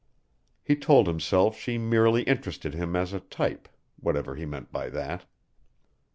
He told himself she merely interested him as a type whatever he meant by that.